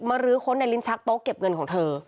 รื้อค้นในลิ้นชักโต๊ะเก็บเงินของเธอ